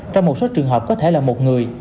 trong một số trường hợp có thể là một người